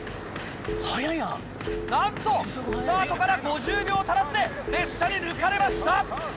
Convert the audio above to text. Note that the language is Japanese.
なんとスタートから５０秒足らずで列車に抜かれました！